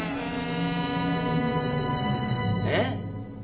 えっ？